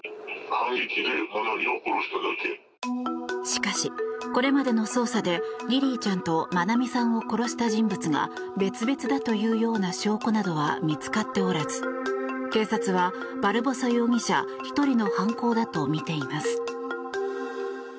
しかし、これまでの捜査でリリィちゃんと愛美さんを殺した人物が別々だというような証拠などは見つかっておらず警察は、バルボサ容疑者１人の犯行だとみています。